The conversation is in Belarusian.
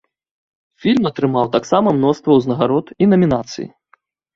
Фільм атрымаў таксама мноства ўзнагарод і намінацый.